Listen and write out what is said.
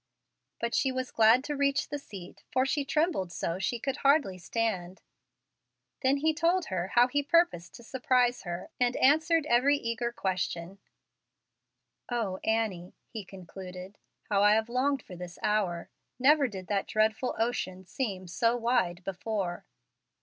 But she was glad to reach the seat, for she trembled so she could hardly stand. Then he told her how he purposed to surprise her, and answered every eager question. "O, Annie!" he concluded, "how I have longed for this hour! Never did that dreadful ocean seem so wide before."